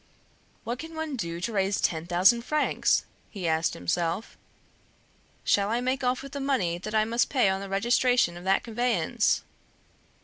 "What can one do to raise ten thousand francs?" he asked himself. "Shall I make off with the money that I must pay on the registration of that conveyance?